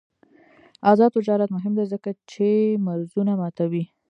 آزاد تجارت مهم دی ځکه چې مرزونه ماتوي.